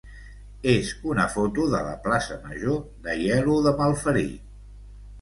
és una foto de la plaça major d'Aielo de Malferit.